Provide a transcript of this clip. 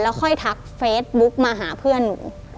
ค่อยทักเฟซบุ๊กมาหาเพื่อนหนู